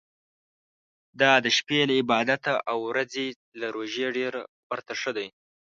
دا د شپې له عبادته او د ورځي له روژې ډېر ورته ښه ده.